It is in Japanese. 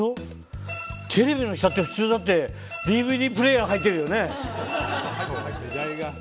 テレビの下って普通、ＤＶＤプレーヤー入ってるよね。